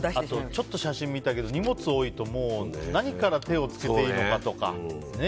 ちょっと写真見たけど荷物が多いと何から手をつけていいのかとかね。